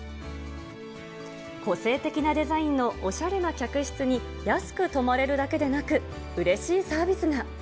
個性的なデザインのおしゃれな客室に、安く泊まれるだけでなく、うれしいサービスが。